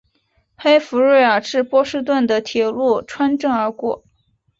黑弗瑞尔至波士顿的铁路穿镇而过。